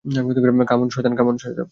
কাম on - শয়তান!